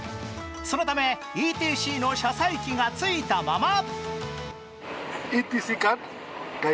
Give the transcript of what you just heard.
そのため、ＥＴＣの車載器がついたまま。